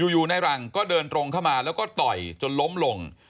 อยู่ในรังก็เดินตรงเข้ามาแล้วก็ต่อยจนล้มลง